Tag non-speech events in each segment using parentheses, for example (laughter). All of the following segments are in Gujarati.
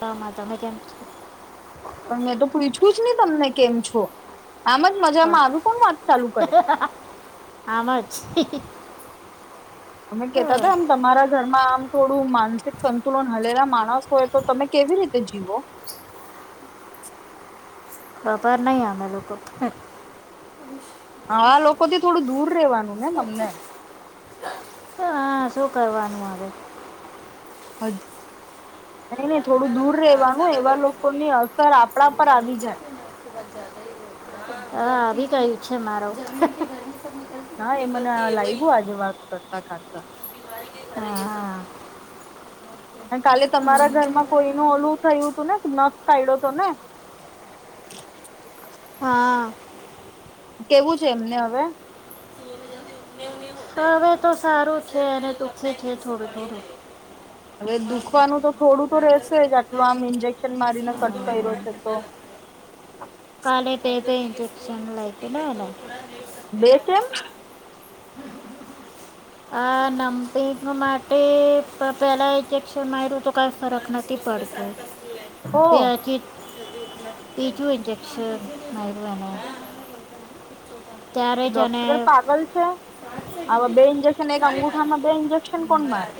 આમાં તમે કેમ છો? પણ મેં તો પૂછ્યું જ નહી તમને કેમ છો? આમ જ મજામાં આવી કોણ વાત ચાલુ કરે. આમાં જ હેહે તેમે કેતા હતા તમારા ઘરમા થોડું માનસિક સંતુલન હલેલા માણસ હોય તો તમે કેવી રીતે જીવો ખબર નઈ અમે લોકો આ લોકોથી થોડું દૂર રેવાનું ને તમને. હા શું કરવાનું અવે? હજ નહી નહી થોડું દૂર રેવાનું એવા લોકોની અસર આપણા પર આવી જાય. (inaudible) હા આવી કઈ છે મારો હા એ મને લાઈગુ આજે વાત કરતા કરતા હા અને કાલે તમારા ઘરમાં કોઈનું ઓલું થયું હતું ને કે કયડો તોને. હા. કેવું છે એમને અવે? તારે તો સારું છે અને દુખે છે થોડું થોડું. અવે દુખવાનું તો થોડું તો રેહસે જ આટલું આમ ઇન્જેકશન મારીને કટ કઇરો હા. છે તો. (unintelligible) લાઈગુ ને એને. બે કેમ? આ (unintelligible) માટે પ-પેલા ઇન્જેક્શન માયરુ તો કઈ ફરક નથી પડતો. ઓ (unintelligible) તિજું ઈન્જેક્શન માયરૂ એને. ત્યારે જ એને ડોક્ટર પાગલ છે આવા બે ઇન્જેક્શન એક અંગુઠામાં બે ઇજેક્શન કોણ મારે?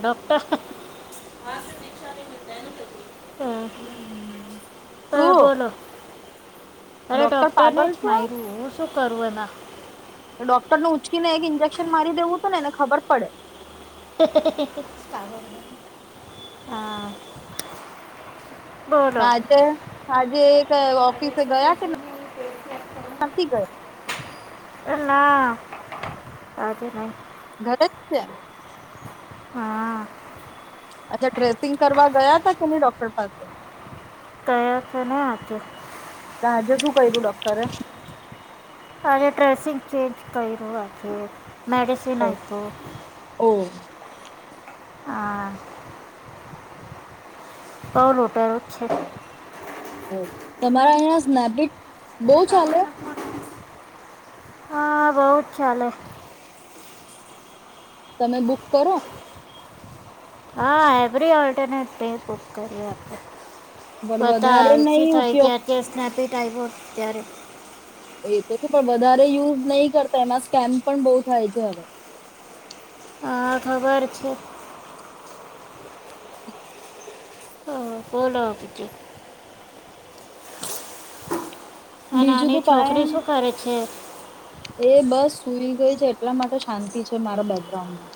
ડૉક્ટર હા, તું બોલો. અરે ડોક્ટર ડૉક્ટરને (unintelligible) જ છે, માર્યું હું શું કરું એમાં ડોક્ટરને ઉચકીને એક ઇન્જેકશ. (inaudible) મારી દેવું હતું ને એને ખબર પડે. હા બોલો આજે આજે (unintelligible) ઓફિસે ગયા કે નથી ગયા. ના, આજ નહીં. હ (unintelligible) હા. અચ્છા, ડ્રેસિંગ કરવા ગયા હતા કે નહી ડોક્ટર પાસે. કયા છે, ને આપ્યો. આજે શું કર્યુ ડોકટર (unintelligible) આજે ડ્રેસિંગ ચેન્જ કર્યું આજે. મેડિસિન ઓ આપો હા. ઓ લુટેરો છે. હ તમારા અહીંયા સ્નાપડિટ બહુ ચાલે. હા બહુ ચાલે તમે બુક કરો. હા એવરી ઓલ્ટનેટ (unintelligible) પણ પતા વધારે નહી ઉપયોગ (unintelligible) (unintelligible) એ તો છે પણ વધારે યુઝ નહી કરતા એમાં સ્કેમ પણ બહુ થાય છે હ ખબર છે. હા ફોન આવતો છે બીજું તો નાની છોકરી શું કાઈ કરે છે. એ બસ સુઈ ગઈ છે એટલા માટે શાંતિ છે મારા બેકગ્રાઉન્ડમાં.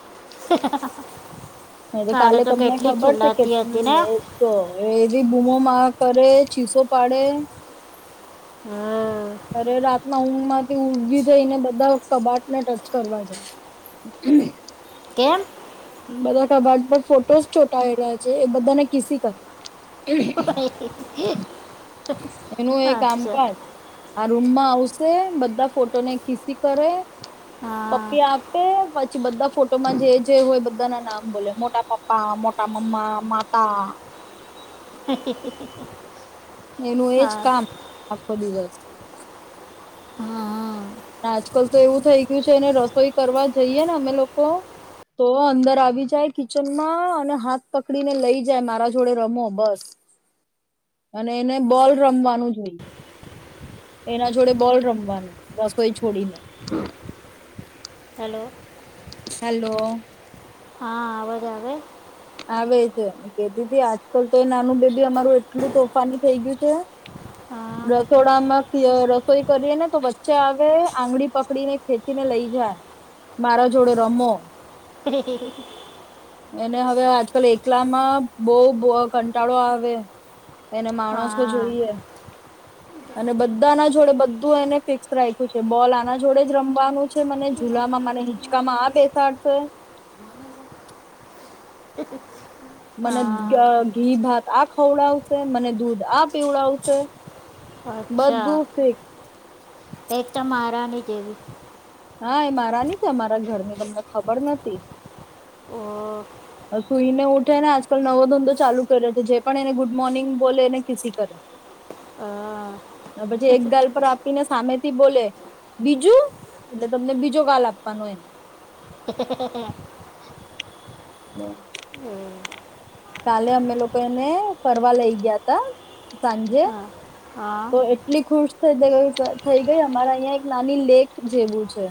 એ તો કાલે તમને કેટલી ખબર છે ચિલ્લાતી હતી ને કેટલું એવી બૂમોમાં કરે. ચીસો પાડે. હા અરે રાત ઊંઘ મા ઉંઘી થઈ ને બધા કબાટ ને ટચ કરવા જાય. કેમ. બધા કબાટ પર ફોટોસ ચોંટાઈ રહ્યા છે એ બધા ને કિસી કરે. એનું એ અચ્છા કામકાજ આ રૂમમાં આવશ બધા ફોટો ને કિસી કરે. હા પપ્પી આપે પછી બધા. ફો ફોટોમાં જે જે હોય બ મુધા ના નામ બોલે મોટા પપ્પા મોટા મમ્મા માતા. એનું એજ હા કામ આખો દિવસ. હમ્મ. આજકાલ તો એવું થઈ ગયું છે ને રસોઈ કરવા જઈએ ને અમે લોકો તો અંદર આવી જાય કિચનમાં અને હાથ પકડીને લઈ જાય મારા જોડે રમો બસ, અને એને બોલ રમવાનું જોઈએ એના જોડે બોલ રમવાનું. રસોઈ છોડીને. હલો. હલો. હા આવાજ આવે. આવે છે. કેતીતી આજ કર તો એ નાનું બેબી અમારું એટલું તોફાની થઈ ગયું છે હા રસોડામાંથી રસોઈ કરીએ ને તો બ ચ હવે આંગળી પકડીને ખેંચી ને લઈ જાય મારા જોડે રમો. એને હવે, આજકાલ એકલામાં બો બહું કંટાળો આવે. એને માણસો જોઈએ, હા અને બધા ના જોડે બધું એને ફિક્સ રાખ્યું છે, બોલ આના જોડે જ રમવાનું છે, મને જુલામાં મને હિંચકામાં આ બેસાડશે. મને હા ઘ ઘી ભાત આ, ખવડાવશે મને દૂધ આ પીવડાવશે. બધું ફિક્સ. એ, તો મહારાણી દેવી. હા, એ મહારાની છે, અમારા ઘર ની તમને ખબર નથી. ઓ, સુઈને ઉઠે ને આજકાલ નવો ધંધો ચાલુ કર્યો છે, જે પણ એને ગુડ મોર્નિંગ બોલે એને કીસી કરે. અ, પછી, એક ગાલ પર આપીને સામેથી બોલે બીજું એટલે, તમને બીજો ગાલ આપવાનો એમ. હા, એ કાલે, અમે લોકો એને ફરવા લઈ ગ્યા હતા, સાંજે હા હા તો એટલી ખુશ (unintelligible) થઈ ગઈ. અમારા અહીં એક નાની લેક જેવું છે.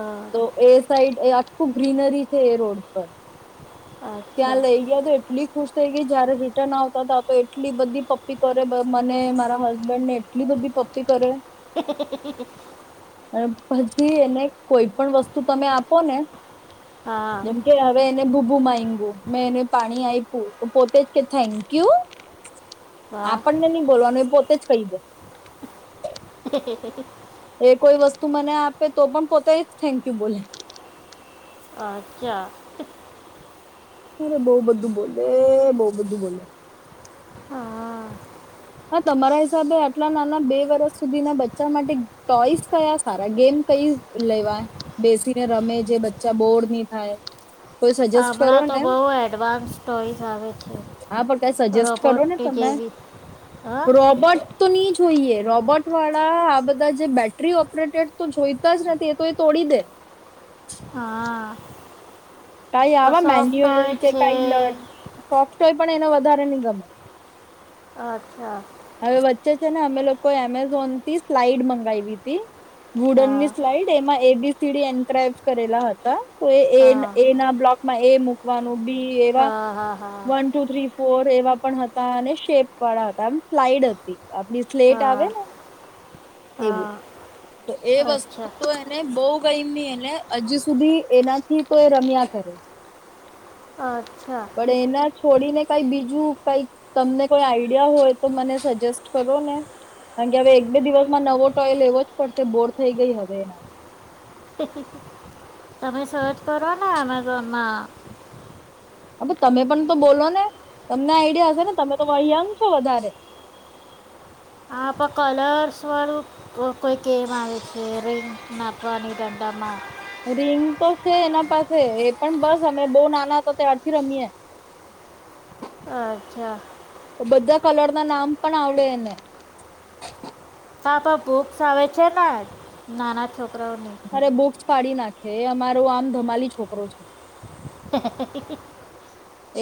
અ, તો એ સાઈડ એ આખું ગ્રીનરી છે, એ રોડ પર. અચ્છા ત્યાં લઈ ગયા તો એટલી ખુશ થઈ ગઈ. જયારે રિટર્ન આવતા હતા. તો એટલી બધી પપ્પી કરે. મને મારા હસબેન્ડ ને એટલી બધી પપ્પી કરે. (inaudible) અને પછી, એને કોઈ પણ વસ્તુ તમે આપો ને હા જેમ, કે હવે. (unintelligible) મે એને પાણી આપ્યું. તો પોતે જ કે થેન્ક યુ. વાહ આપણને નહી બોલવાનું એ પોતે પોતે જ કયદે. હમમમ ક કોઈ વસ્તુ મને આપે તો, પણ પોતે જ થેન્ક યુ બોલે. અચ્છા. અરે, બો બધું બોલે બો બધું બોલે. હા હા, તમારા હિસાબે આટલા નાના બે વર્ષ સુધીના બચ્ચા માટે ટોઈસ કયા સારા ગેમ કઈ લેવાય. બેસીને રમે જે બચ્ચા બોર નહી થાય? કોઈ સજેસ્ટ કરો હમણાં તો ને બહુ એડવાન્સ ટોઈઝ આવે છે. હા પણ કઈ રોબોટની જેવી. હા રોબર્ટ. તો નહી જોઈએ, રોબોટ વાળા આ બધા જે બેટરી ઓપરેટર તો જોઈતા જ નથી, એ તો એ તોડી દે. હા કઈ, હવા સોફ્ટ મેન્યુઅલ ટોય કે છે કઈ લર્નિંગ તોયે પણ એને વધારે નહી ગમે. અચ્છા હવે વચ્ચે છે ને અમે લોકોએ એમેઝોન થી સ્લાઈડ મંગયવી હતી હા વુડનની સ્લાઈડ એમાં એબીસીડી એન્ક્રાઈબ કરેલા હતા તો એ એ હા એ ના બ્લોકમાં એ મુકવાનું બી એવા હા હા હા વન, ટુ, થ્રી, ફોર એવા પણ હતા ને શેપ વાળા હતા. ફલાઈડ હતી આપડી સ્લેટ આવે હા ને એવું હા તો એ વસ્તુ અચ્છા તો એને બઉ ગયમી એને હજી સુધી એનાથી તો એ રમ્યા કરે છે. અચ્છા પણ એના છોડીને કઈ બીજું કંઈક તમને કોઈ આઈડિયા હોય. તો મને સજેસ્ટ કરો ને કારણ કે હવે એક બે દિવસમાં નવો ટોય લેવો જ પડશે બોર થઈ ગઈ હવે. તમે સર્ચ કરવા ના એમેઝોનમાં. અબે તમે પણ તો બોલો ને તમને આઈડિયા હશે ને તમે તો (unintelligible) છો વધારે. આ પણ કલર્સ વાળું કોઈક ગેમ આવે છે રિંગ નાખવાની દંડામાં. રિંગ તો છે એના પાસે એ પણ બસ અમે બઉં નાના હતા ત્યારથી રમીયે. અચ્છા. બધા કલર ના નામ પણ આવડે એને. પાપા બુક્સ આવે છે ને નાના છો રાઓનો પાડી નાખે એ અમારો આમ ધમાલી છોકરો છે.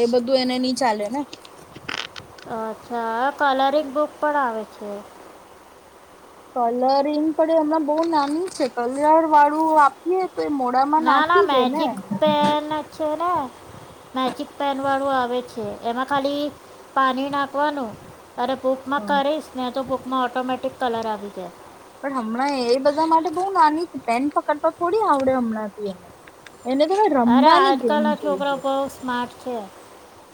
એ બધું એને ની ચાલે ને. અચ્છા કલરિંગ બુક પણ આવે છે. કલરિંગ પડે હમણાં બઉ નાની છે કલર વાળું આપીએ તો એ મોડામાં ના નાખી ના દે ને મેજિક પેન છે ને. મેજિક પેન વાળું આવે છે એમાં ખાલી પાણી નાખવાનું. અરે બુકમાં પણ કરીસને તો માં ઓટોમેટિક કલર આવી જાય. પણ હમણાં એ બધા માટે બહુ નાની પેન પકડવા થોડી આવડે હમણાંથી એને. એને તો અરે રમવાની ગેમ આજકાલના છોકરા જોઈએ બહુ સ્માર્ટ છે.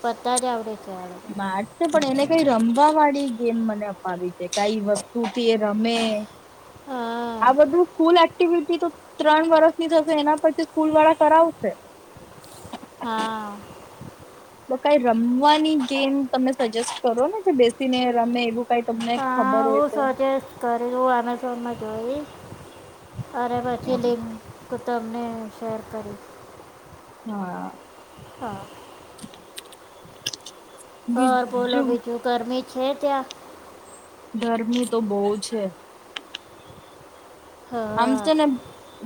બધા જ આવડે છે આ લોકો (unintelligible) ને પણ એને કઈ રમવા વાળી ગેમ મને અપાવી દે કાંઈ વસ્તુથી એ રમે હા આ બધું સ્કૂલ એક્ટિવિટી તો ત્રણ વર્ષ ની થશે એના પરથી સ્કૂલ વાળા કરાવશે હા તો કઈ રમવાની ગેમ તમે સજેસ્ટ કરો ને જે બેસીને રમે એવું કઈ તમને ખબર હોય હું તો. સજેસ્ટ કર્યું એમેઝોન માંથી નવી અરે પછી (unintelligible) તમને શેર કરી હા હા (inaudible) ઓર બોલો બીજું બીજું ગરમી જ છે ત્યાં ગરમી તો બહુ છે આમ હા છે ને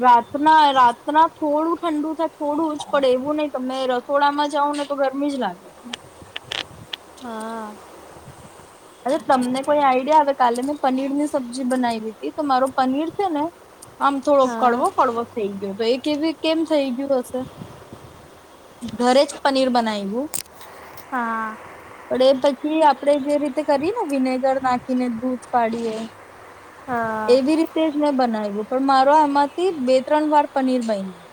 રાતના રાતના થોડું ઠંડુ થાય થોડું જ પડે એવું નહી તમે રસોડામાં જાવ ને તો ગરમી જ લાગે. (inaudible) હા અરે તમને કોઈ આઈડિયા આવે કાલે મેં પનીર ની સબ્જી બનાવી તી તો મારો પનીર છે ને આમ થોડો હા કડવો કડવો થઈ ગયો તો એ કેવી કેમ થઈ ગયું હશે ઘરે જ પનીર બનાવ્યું હા પણ એ થકી આપણેે જેવી કરીને વિનેગર નાખીને દૂધ ફાડીએ. હા એવી રીતે જ મેં બનાવ્યું પણ મારો આમાંથી બે ત્રણ વાર પનીર બનું.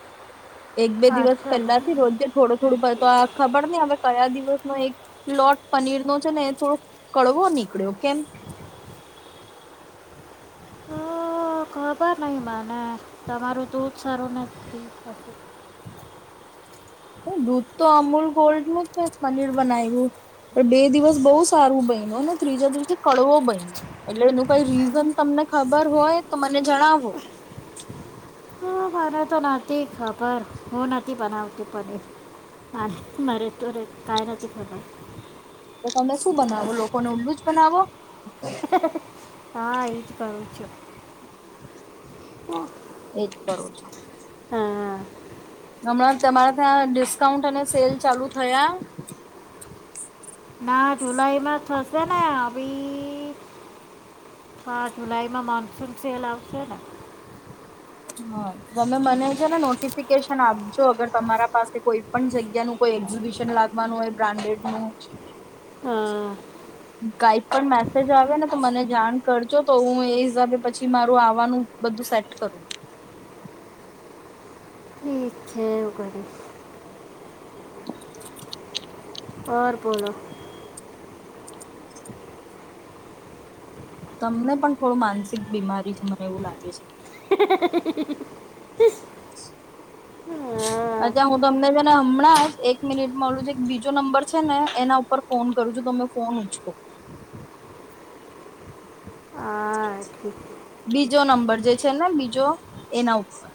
એક બે દિવસ અચ્છા પહેલાથી રોજે થોડો થોડુંક પણ તો આ ખબર નહીં હવે કયા દિવસનો એક લોટ પનીર નો છે ને એ થોડોક કડવો નીકળ્યો કેમ? અ, ખબર નહીં મને તમારું દૂધ સારું નહીં. (unintelligible) ઓમ દૂધ તો અમૂલ ગોલ્ડ નું છે પનીર બનાવ્યું પણ બે દિવસ બહુ સારું બયનુ ને ત્રીજે દિવસે કડવો બયનો એટલે એનું કંઈ રીઝન તમને ખબર હોય તો મને જણાવો. મને તો નથી ખબર હું નથી બનાવતી પનીર (unintelligible) કાંઈ નથી ખબર. તો તમે શું બનાવો લોકોને ઊંલ્લું જ બનાવો? હા એજ કરું છું. હા. એ જ કરું છું. હમણાં તમારા ત્યાં ડિસ્કાઉન્ટ અને સેલ ચાલુ થયા? ના જુલાઈમાં થશે ને આવીમાં જુલાઈમાં મોનસૂન સેલ આવશે ને. હા તમે મને છે ને નોટિફિકેશન આપજો અગર તમારા પાસે કોઈ પણ જગ્યાનું કોઈ એક્ઝિબિશન લાગવાનું હોય બ્રાન્ડેડનું હા કાંઈ પણ મેસેજ આવે ને તો મને જાણ કરજો તો હું એ હિસાબે પછી મારું આવવાનું બધું સેટ કરું. ઠીક (unintelligible) અર બોલો. તમને પણ થોડું માનસિક બીમારી છે મને એવું લાગે છે. હા અચ્છા હું તમને છે ને હમણાં એક એક મિનિટમાં ઓલું જે એક બીજો નંબર છે ને એના ઉપર ફોન કરું છું તમે ફોન ઉચકો. હા ઠીક બીજો નંબર જે છે ને બીજો એના ઉપર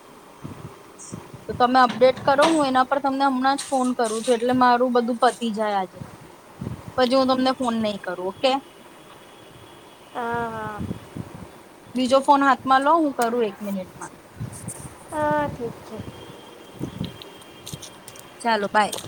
તો તમે અપડેટ કરો હું એના પર તમને હમણાં જ ફોન કરું છું એટલે મારું બધું પતી જાય આજે પછી હું તમને ફોન નહીં કરું ઓકે. હા હા બીજો ફોન હાથમાં લો હું કરું એક મિનિટમાં. હા ઠીક છે. ચાલો બાય.